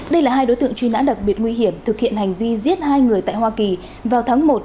đây là hai đối tượng truy nã đặc biệt nguy hiểm thực hiện hành vi giết hai người tại hoa kỳ vào tháng một